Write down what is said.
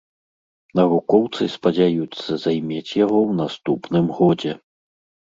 Навукоўцы спадзяюцца займець яго ў наступным годзе.